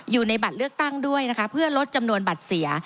อยู่ในบัตรเลือกตั้งด้วยนะคะเพื่อลดจำนวนบัตรเสีย